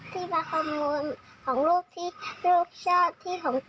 ลูกเสียใจไหมครับ